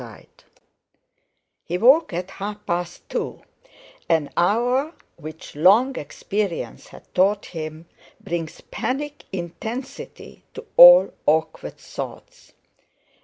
IV He woke at half past two, an hour which long experience had taught him brings panic intensity to all awkward thoughts.